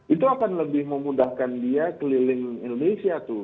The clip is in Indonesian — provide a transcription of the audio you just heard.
itu akan lebih memudahkan dia keliling indonesia tuh